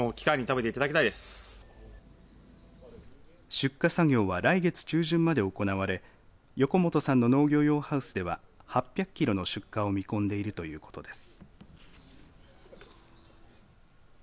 出荷作業は来月中旬まで行われ横本さんの農業用ハウスでは８００キロの出荷を見込んでいるということです。